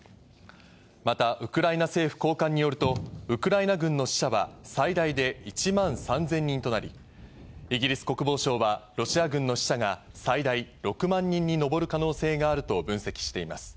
また、ウクライナ政府高官によると、ウクライナ軍の死者は最大で１万３０００人となり、イギリス国防省はロシア軍の死者が最大６万人にのぼる可能性があると分析しています。